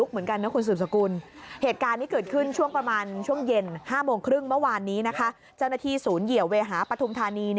เมื่อวานนี้นะคะเจ้าหน้าที่ศูนย์เหยียวเวหาปทุมธานี